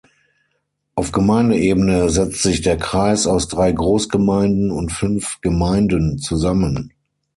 Auf Gemeindeebene setzt sich der Kreis aus drei Großgemeinden und fünf Gemeinden zusammen.